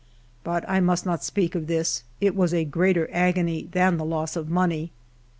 But I must not speak of this; it was a greater agony than the loss of money.